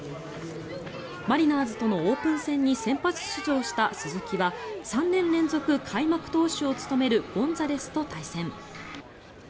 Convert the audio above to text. マリナーズとのオープン戦に先発出場した鈴木は３年連続開幕投手を務めるゴンザレスと対戦。